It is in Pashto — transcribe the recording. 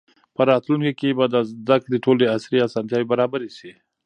په راتلونکي کې به د زده کړې ټولې عصري اسانتیاوې برابرې سي.